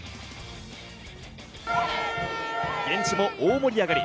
現地も大盛り上がり。